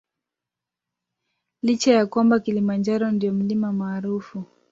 licha ya kwamba Kilimanjaro ndio mlima maarufu